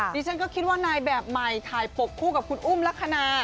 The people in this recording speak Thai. ดิฉันก็คิดว่านายแบบใหม่ถ่ายปกคู่กับคุณอุ้มลักษณะ